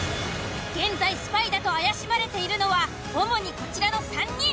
現在スパイだと怪しまれているのは主にこちらの３人。